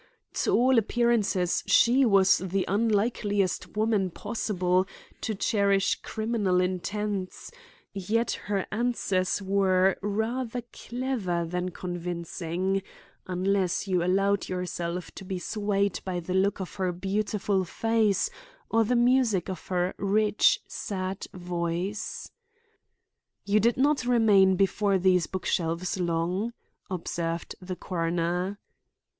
To all appearances she was the unlikeliest woman possible to cherish criminal intents, yet her answers were rather clever than convincing, unless you allowed yourself to be swayed by the look of her beautiful face or the music of her rich, sad voice. "You did not remain before these book shelves long?" observed the coroner.